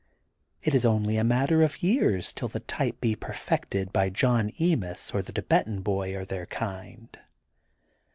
It is onl^ a matter of years till the type be perfected by John Emis or the Thibetan Boy or their kind.